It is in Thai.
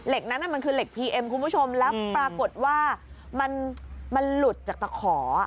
และมันเป็นเล็กปีเอ็มคลุมโมชมและปรากฏว่ามันหลุดจากตระขอ